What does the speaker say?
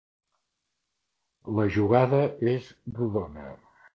La jugada és rodona.